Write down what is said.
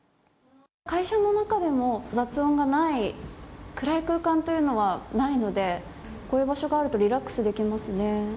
会社の中でも、雑音がない暗い空間というのはないのでこういう場所があるとリラックスできますね。